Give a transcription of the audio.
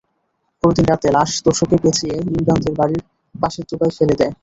পরদিন রাতে লাশ তোশকে পেঁচিয়ে ইমরানদের বাড়ির পাশের ডোবায় ফেলে দেয়।